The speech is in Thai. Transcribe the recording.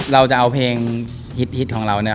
เราจะเอาเพลงฮิตของเรา